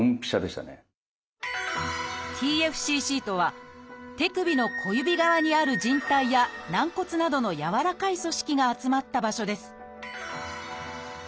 「ＴＦＣＣ」とは手指の小指側にある靭帯や軟骨などの軟らかい組織が集まった場所です。